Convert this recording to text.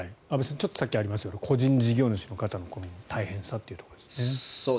ちょっとさっきありましたが個人事業主の方の大変さというところですね。